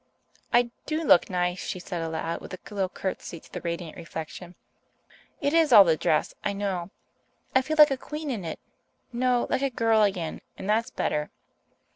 "I do look nice," she said aloud, with a little curtsey to the radiant reflection. "It is all the dress, I know. I feel like a queen in it no, like a girl again and that's better."